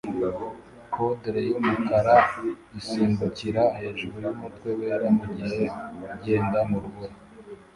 Poodle yumukara isimbukira hejuru yumutwe wera mugihe ugenda mu rubura